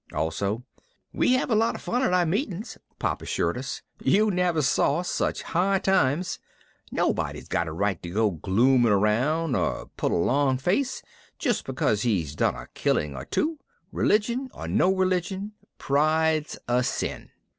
Also, "We have a lot of fun at our meetings," Pop assured us. "You never saw such high times. Nobody's got a right to go glooming around or pull a long face just because he's done a killing or two. Religion or no religion, pride's a sin."